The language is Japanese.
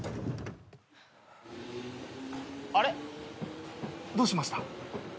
あれっ？どうしました？